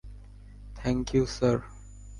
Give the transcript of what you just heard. Thank you, sir?